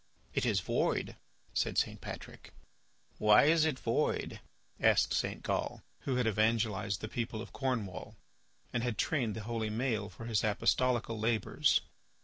"It is void," said St. Patrick. "Why is it void?" asked St. Gal, who had evangelized the people of Cornwall and had trained the holy Maël for his apostolical labours.